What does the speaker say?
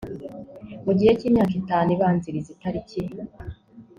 mu gihe cy imyaka itanu ibanziriza itariki